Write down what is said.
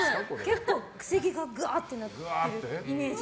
結構、くせ毛がガーッとなってるイメージ。